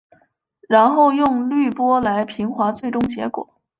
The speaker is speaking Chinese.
然后用滤波来平滑最终结果。